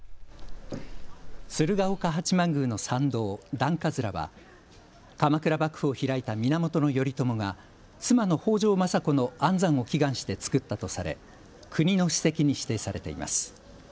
鶴岡八幡宮の参道、段葛は鎌倉幕府を開いた源頼朝が妻の北条政子の安産を祈願して造ったとされ国の史跡に指定されています。